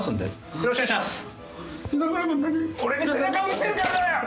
よろしくお願いします。